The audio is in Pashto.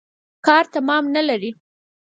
کار تمام نلري.